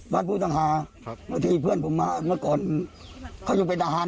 ผู้ต้องหาบางทีเพื่อนผมมาเมื่อก่อนเขาอยู่เป็นทหาร